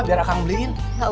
biar aku beliin